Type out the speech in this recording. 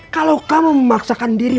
kalau kamu memaksakan diri